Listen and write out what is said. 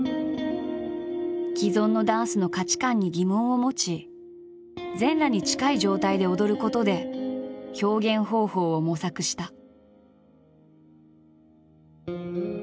既存のダンスの価値観に疑問を持ち全裸に近い状態で踊ることで表現方法を模索した。